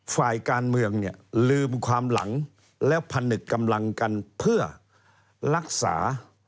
ฝ่ายการเมืองเนี่ยลืมความหลังแล้วผนึกกำลังกันเพื่อรักษา